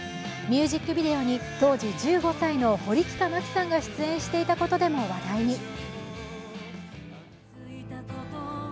ミュージックビデオに当時１５歳の堀北真希さんが出演していたことでも話題に。